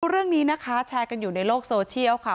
เรื่องนี้นะคะแชร์กันอยู่ในโลกโซเชียลค่ะ